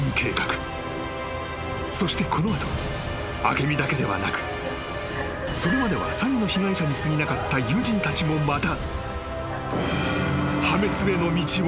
［そしてこの後明美だけではなくそれまでは詐欺の被害者にすぎなかった友人たちもまた］